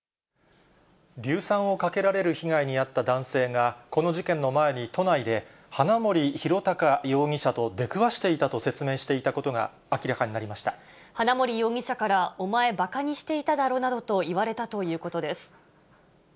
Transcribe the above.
硫酸をかけられる被害に遭った男性が、この事件の前に都内で、花森弘卓容疑者と出くわしていたと説明していたことが明らかにな花森容疑者から、お前、ばかにしていただろなどと言われたということです。